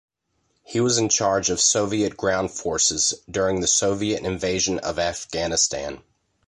He was in charge of Soviet ground forces during the Soviet invasion of Afghanistan.